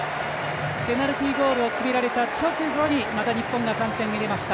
ペナルティゴールを決められた直後にまた日本が３点、入れました。